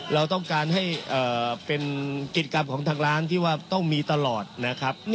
เราต้องการให้เป็นกิจกรรมของทางร้านที่ว่าต้องมีตลอดนะครับ